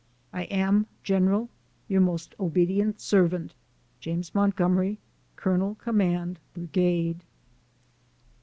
I am, General, your most ob't servant, JAMES MONTGOMERY, Col. Com. Brigade.